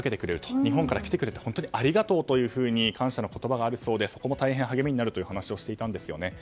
日本から来てくれて本当にありがとうと感謝の言葉があるそうでそこも大変、励みになるという話をしていたんですね。